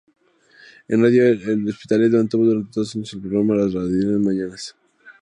En Radio L'Hospitalet mantuvo durante dos años el programa "Las radiantes mañanas".